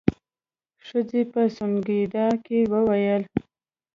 ښځې په سونګېدا کې وويل.